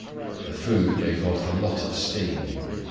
The food gave off a lot of steam.